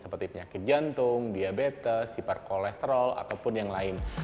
seperti penyakit jantung diabetes sipar kolesterol ataupun yang lain